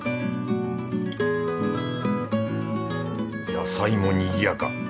野菜もにぎやか。